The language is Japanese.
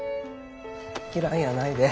嫌いやないで。